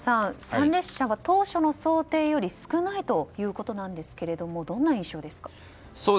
参列者が当初の想定より少ないということなんですがどんな印象ですか？